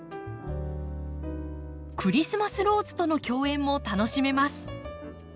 クリスマスローズとの競演も楽しめます。